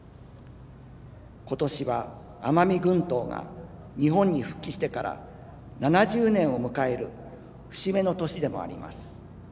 今年は、奄美群島が日本に復帰してから７０年を迎える節目の年でもあります。